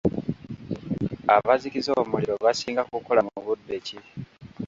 Abazikiza omuliro basinga kukola mu budde ki?